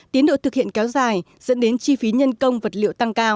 tiến độ thực hiện kéo dài dẫn đến chi phí nhân công vật liệu tăng cao